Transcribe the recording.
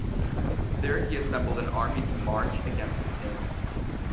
There he assembled an army to march against the king.